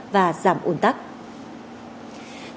và giải quyết việc khai báo y tế